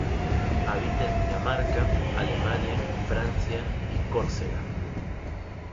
Habita en Dinamarca, Alemania, Francia y Córcega.